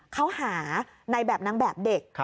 เขาหาในแบบนางแบบเด็ก